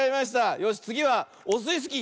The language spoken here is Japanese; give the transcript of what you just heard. よしつぎはオスイスキー。